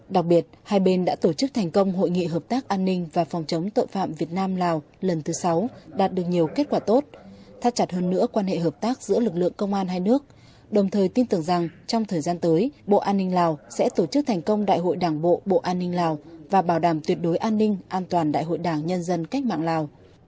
đặc biệt hai bên đã tổ chức thành công hội nghị hợp tác an ninh và phòng chống tội phạm việt nam lào lần thứ sáu đạt được nhiều kết quả tốt thắt chặt hơn nữa quan hệ hợp tác giữa lực lượng công an hai nước đồng thời tin tưởng rằng trong thời gian tới bộ an ninh lào sẽ tổ chức thành công đại hội đảng bộ bộ an ninh lào và bảo đảm tuyệt đối an ninh an toàn đại hội đảng nhân dân cách mạng lào